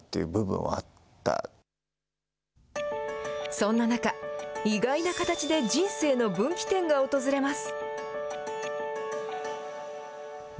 そんな中、意外な形で人生の分岐点が訪れます。